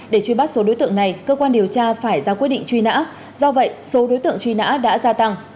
để truy bắt số đối tượng này cơ quan điều tra phải ra quyết định truy nã do vậy số đối tượng truy nã đã gia tăng